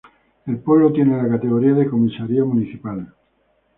El Pueblo tiene la categoría de comisaría municipal.